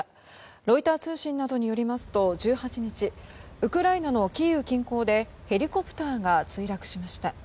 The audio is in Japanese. ロイター通信などによりますと１８日ウクライナのキーウ近郊でヘリコプターが墜落しました。